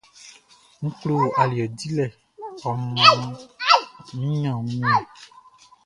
N klo aliɛ dilɛ naan ɔ mʼan mi ɲan wunmiɛn.